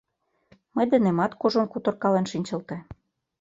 Мый денемат кужун кутыркален шинчылте.